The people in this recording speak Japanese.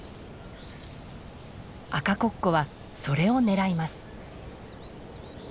アカコッコはそれを狙います。